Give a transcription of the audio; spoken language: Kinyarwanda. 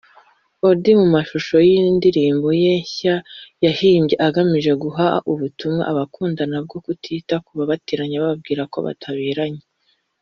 Auddy mu mashusho y'indirimbo ye nshya yahimbye agamije guha ubutumwa abakundana bwo kutita kubabateranya bababwira ko bataberanye